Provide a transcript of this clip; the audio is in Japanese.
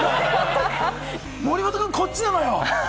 森本君、こっちなのよ。